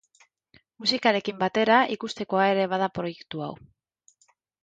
Musikarekin batera, ikustekoa ere bada proiektu hau.